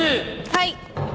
はい。